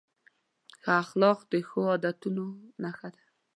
ښه اخلاق د ښو عادتونو نښه ده.